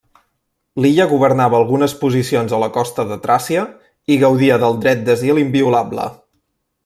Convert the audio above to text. L'illa governava algunes posicions a la costa de Tràcia i gaudia del dret d'asil inviolable.